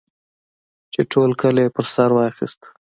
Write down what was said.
چې ټول کلی یې په سر واخیست.